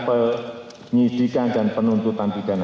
penyidikan dan penuntutan bidana